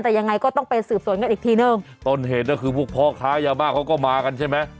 แต่ยังไงก็ต้องไปสืบสวนกันอีกทีหนึ่งต้นเหตุก็คือพวกพ่อค้ายาบ้าเขาก็มากันใช่ไหม